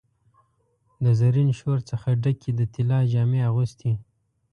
د زرین شور څخه ډکي، د طلا جامې اغوستي